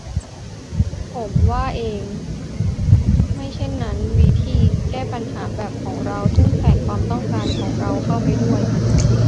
ผมว่าเอง : ไม่เช่นนั้น 'วิธีแก้ปัญหาแบบของเรา-ซึ่งแฝงความต้องการของเราเข้าไปด้วย